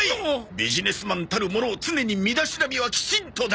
ビジネスマンたるもの常に身だしなみはきちんとだ！